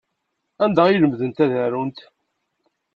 Anda ay lemdent ad arunt?